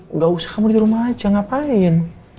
nggak usah kamu di rumah aja ngapain